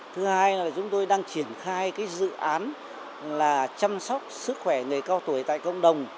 thứ hai là chúng tôi đang triển khai dự án là chăm sóc sức khỏe người cao tuổi tại cộng đồng